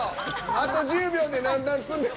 あと１０秒で何段積んでも。